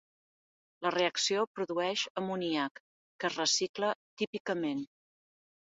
La reacció produeix amoníac, que es recicla típicament.